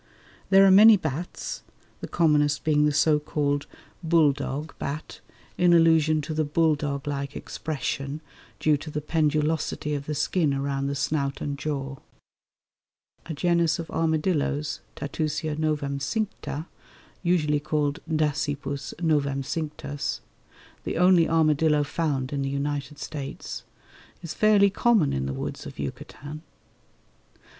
There are many bats, the commonest being the so called bulldog bat, in allusion to the bulldog like expression due to the pendulosity of the skin around the snout and jaw. A genus of armadillos (Tatusia novemcincta) usually called Dasypus novemcinctus, the only armadillo found in the United States, is fairly common in the woods of Yucatan.